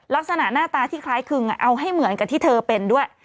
ลักษณะหน้าตาที่คล้ายคลึงเอาให้เหมือนกับที่เธอเป็นด้วย